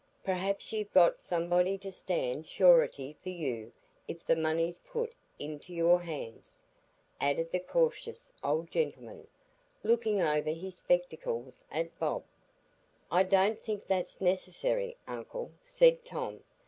Perhaps you've got somebody to stand surety for you if the money's put into your hands?" added the cautious old gentleman, looking over his spectacles at Bob. "I don't think that's necessary, uncle," said Tom.